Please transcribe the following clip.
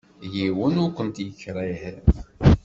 Yiwen ur kent-yekṛih.